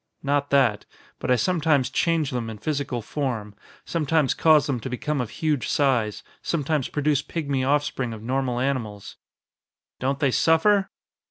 "Not that. But I sometimes change them in physical form, sometimes cause them to become of huge size, sometimes produce pigmy offspring of normal animals." "Don't they suffer?"